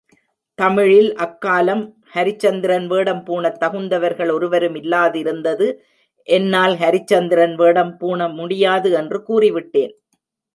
தமிழில் அக்காலம் ஹரிச்சந்திரன் வேடம் பூணத் தகுந்தவர்கள் ஒருவருமில்லாதிருந்தது என்னால் ஹரிச்சந்திரன் வேடம் பூண முடியாது என்று கூறிவிட்டேன்.